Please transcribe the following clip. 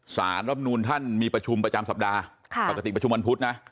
รับนูลท่านมีประชุมประจำสัปดาห์ปกติประชุมวันพุธนะ